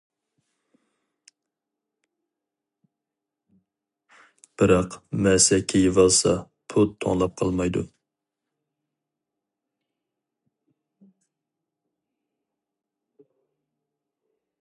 بىراق مەسە كىيىۋالسا پۇت توڭلاپ قالمايدۇ.